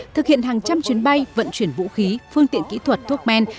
thực hiện hàng trăm chuyến bay vận chuyển vũ khí phương tiện kỹ thuật thuốc men